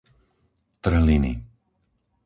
trhliny